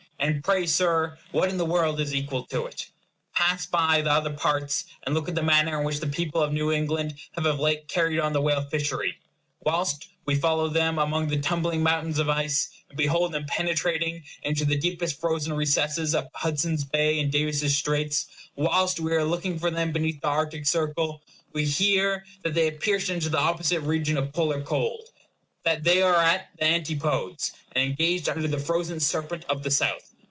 And pray, Sir, what in the world is equal to it? Pass by the other parts, and look at the manner in which the people of New England have of late carried on the whale fishery. Whilst we follow them among the tumbling mountains of ice, and behold them penetrating into the deepest frozen recesses of Hudson's Bay and Davis's Straits, whilst we are looking for them beneath the arctic circle, we hear that they have pierced into the opposite region of polar cold, that they are at the antipodes, and engaged under the frozen Serpent of the south.